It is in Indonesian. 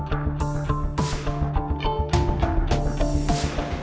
gue paham kok